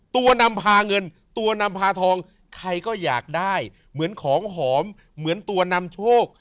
นำพาเงินตัวนำพาทองใครก็อยากได้เหมือนของหอมเหมือนตัวนำโชค